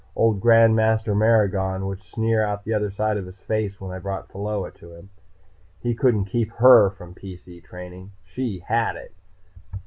Old Grand Master Maragon would sneer out of the other side of his face when I brought Pheola to him. He couldn't keep her from PC training. She had it.